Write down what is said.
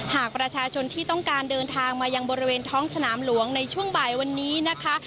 หากประชาชนที่ต้องการเดินทางมายังบริเวณท้องสนามหลวงในช่วงบ่ายวันนี้นะคะ